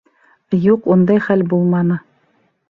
Юҡ, ундай хәл булманы.